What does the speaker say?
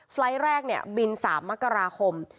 ไฟล์ทแรกเนี่ยบิน๓มกราคม